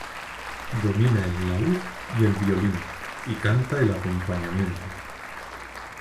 Domina el laúd y el violín y canta el acompañamiento.